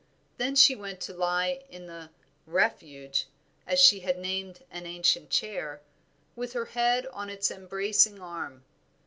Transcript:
Then she went to lie in the "Refuge," as she had named an ancient chair, with her head on its embracing arm.